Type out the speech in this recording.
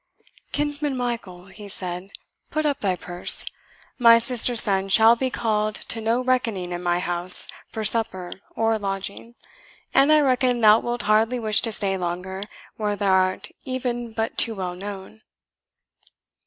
"Kinsman Michael," he said, "put up thy purse. My sister's son shall be called to no reckoning in my house for supper or lodging; and I reckon thou wilt hardly wish to stay longer where thou art e'en but too well known."